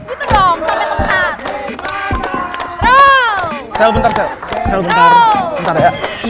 iya nyanyiin terus gitu dong